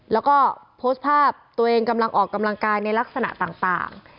แล้วก็โพสต์ภาพตัวเองกำลังออกกำลังกายในลักษณะต่าง